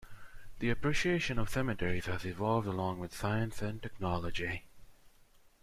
The appreciation of cemeteries has evolved along with science and technology.